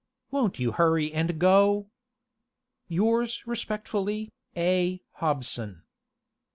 Won't you hurry and go? Yours respectfully, A. HOBSON.